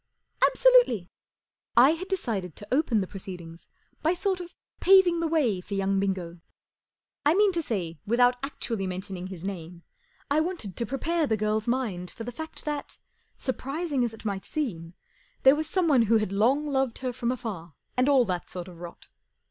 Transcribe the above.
" Absolutely !" I had decided to open the proceedings by sort of paving the way for young Bingo. I mean to say, without actually mentioning his name, I wanted to prepare the girl's mind for the fact that, surprising as it might seem, there was some¬ one who had long loved her from afar and all that sort of rot.